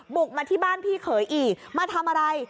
บุกมาที่บ้านพี่เขยอีกมาทำอะไร